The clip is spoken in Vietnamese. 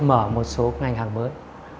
mở một số ngành hàng mới